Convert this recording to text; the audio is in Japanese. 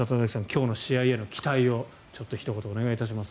今日の試合への期待をひと言お願いします。